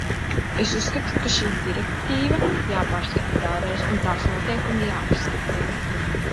Es uzskatu, ka šī direktīva jāpārskata vēlreiz un tās noteikumi jāpastiprina.